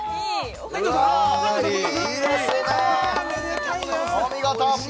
お見事。